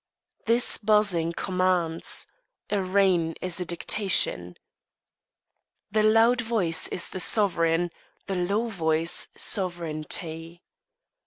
This buzzing commands. A reign is a dictation. The loud voice is the sovereign; the low voice, sovereignty.